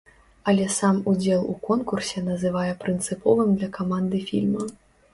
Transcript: Але сам удзел у конкурсе называе прынцыповым для каманды фільма.